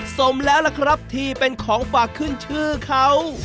สมแล้วล่ะครับที่เป็นของฝากขึ้นชื่อเขา